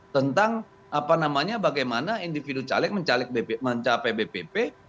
tentang apa namanya bagaimana individu caleg mencapai bpp